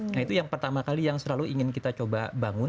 nah itu yang pertama kali yang selalu ingin kita coba bangun